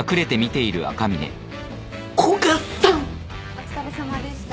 お疲れさまでした。